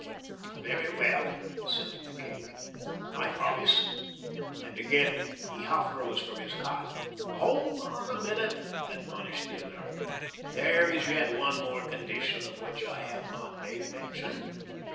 "Very well," assented the king. "I promise," and again he half rose from his cot. "Hold on a minute," admonished the American; "there is yet one more condition of which I have not made mention."